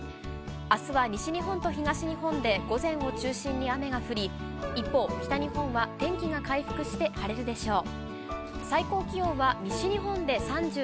あすは西日本と東日本で午前を中心に雨が降り、一方、北日本は天気が回復して晴れるでしょう。